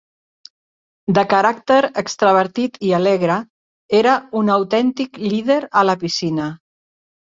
De caràcter extravertit i alegre, era un autèntic líder a la piscina.